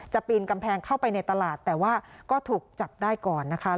ปีนกำแพงเข้าไปในตลาดแต่ว่าก็ถูกจับได้ก่อนนะคะ